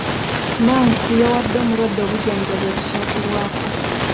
Nnansi yawadde omulwadde obujjanjabi obusookerwako.